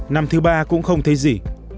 năm thứ ba cũng không thấy gì